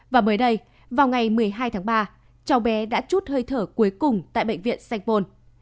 và mới đây vào ngày một mươi hai tháng ba cháu bé đã chút hơi thở cuối cùng tại bệnh viện sanh pôn